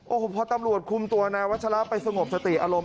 โอ้โหพอตำรวจคุมตัวนายวัชละไปสงบสติอารมณ์